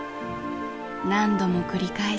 何度も繰り返し